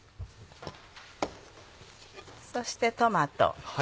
そしてトマト。